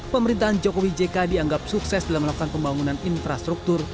pemerintahan jokowi jk dianggap sukses dalam melakukan pembangunan infrastruktur